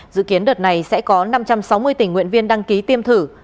dự kiến đợt này sẽ có năm trăm sáu mươi tình nguyện viên đăng ký tiêm thử